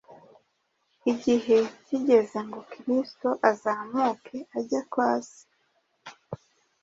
Igihe kigeze ngo Kristo azamuke ajye kwa Se,